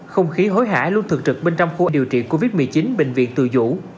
không khí hối hải luôn thực trực bên trong khu điều trị covid một mươi chín bệnh viện từ dũ